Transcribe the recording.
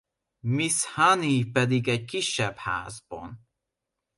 Miss Honey pedig egy kisebb házban.